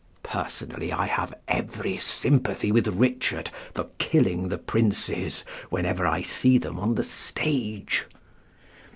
Personally I have every sympathy with Richard for killing the Princes whenever I see them on the stage!